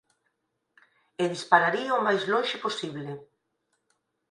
E dispararía o máis lonxe posible.